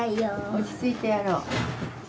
落ち着いてやろう。